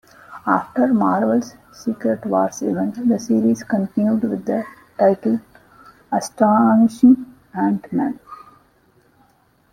After Marvel's Secret Wars event, the series continued with the title Astonishing Ant-Man.